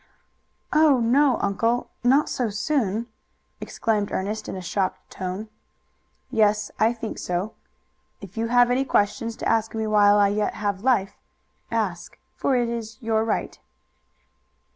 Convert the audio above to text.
"Oh, no, uncle, not so soon!" exclaimed Ernest in a shocked tone. "Yes, I think so. If you have any questions to ask me while I yet have life, ask, for it is your right."